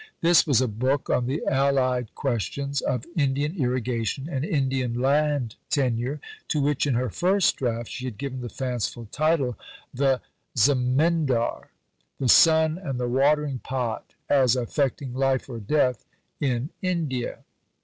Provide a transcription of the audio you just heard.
This was a book on the allied questions of Indian Irrigation and Indian Land Tenure, to which, in her first draft, she had given the fanciful title The Zemindar, the Sun and the Watering Pot as Affecting Life or Death in India.